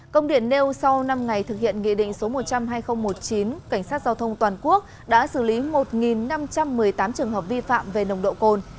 công điện nêu sau năm ngày thực hiện nghị định số một trăm linh hai nghìn một mươi chín cảnh sát giao thông toàn quốc đã xử lý một năm trăm một mươi tám trường hợp vi phạm về nồng độ cồn